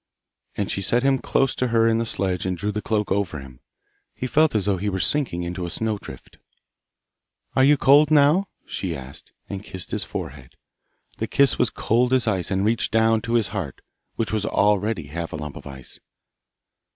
And she set him close to her in the sledge and drew the cloak over him. He felt as though he were sinking into a snow drift. 'Are you cold now?' she asked, and kissed his forehead. The kiss was cold as ice and reached down to his heart, which was already half a lump of ice.